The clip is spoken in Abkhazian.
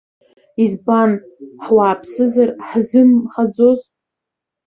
Избан, ҳуааԥсызар ҳзымхаӡоз.